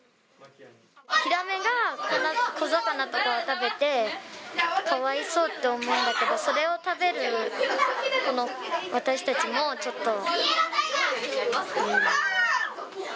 ヒラメが小魚とかを食べて、かわいそうって思うんだけど、それを食べるこの私たちも、ちょっと。